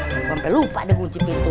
gue sampe lupa ada kunci pintu